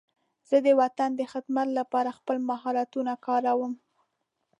زه د وطن د خدمت لپاره خپل مهارتونه کاروم.